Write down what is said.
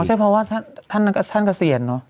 อ๋อใช่ครับเพราะว่าท่านเกษียณ์เหรอ